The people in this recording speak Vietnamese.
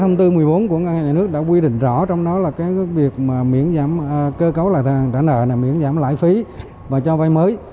ngân hàng nhà nước đã quy định rõ trong đó là việc miễn giảm cơ cấu gia hạn trả nợ miễn giảm lãi phí và cho vay mới